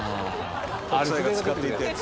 北斎が使っていたやつ。